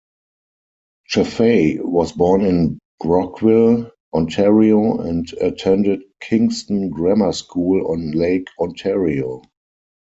Chaffey was born in Brockville, Ontario and attended Kingston Grammar School on Lake Ontario.